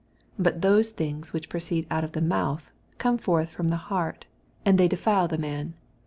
18 But thoee things which proceed out of the mouth oome forth from the heart : and they defile the man.